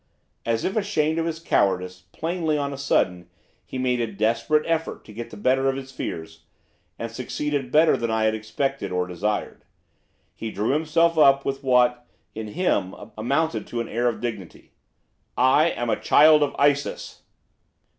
As if ashamed of his cowardice, plainly, on a sudden, he made a desperate effort to get the better of his fears, and succeeded better than I had expected or desired. He drew himself up with what, in him, amounted to an air of dignity. 'I am a child of Isis!